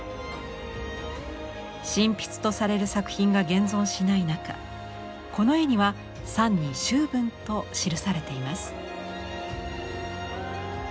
真筆とされる作品が現存しない中この絵には賛に「周文」と記されています。